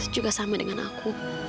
juga sama dengan aku